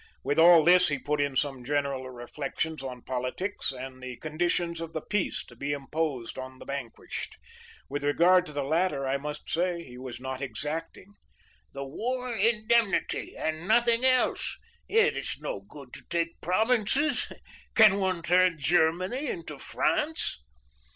With all this he put in some general reflections on politics and the conditions of the peace to be imposed on the vanquished. With regard to the latter, I must say he was not exacting:—"'The war indemnity and nothing else. It is no good to take provinces. Can one turn Germany into France?